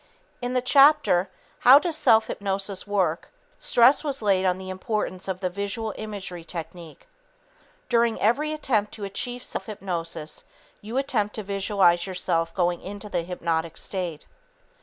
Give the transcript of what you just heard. In the chapter, "How Does Self Hypnosis Work," stress was laid on the importance of the visual imagery technique. During every attempt to achieve self hypnosis, you attempt to visualize yourself going into the hypnotic state.